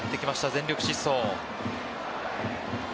全力疾走。